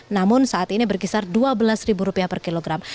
namun saat ini berkisar dua belas rupiah per kilogram